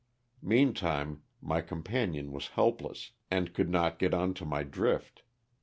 Meantime my companion was helpless, and could not get onto my drift.